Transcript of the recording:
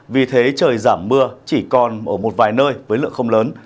vì thế trời giảm mưa chỉ còn ở một vài nơi với lượng không lớn